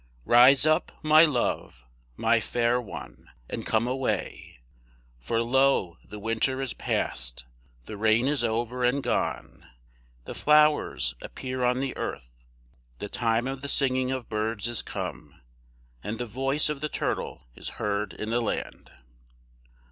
Rise up, my love, my fair one, and come away; for lo the winter is past, the rain is over and gone; the flowers appear on the earth, the time of the singing of birds is come, and the voice of the turtle is heard in the land.